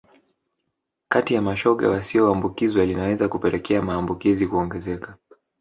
kati ya mashoga wasioambukizwa linaweza kupelekea maambukizi kuongezeka